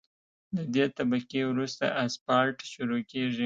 له دې طبقې وروسته اسفالټ شروع کیږي